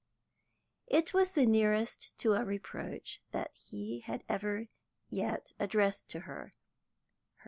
It was the nearest to a reproach that he had ever yet addressed to her.